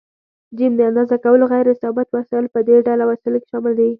ج: د اندازه کولو غیر ثابت وسایل: په دې ډله وسایلو کې شامل دي.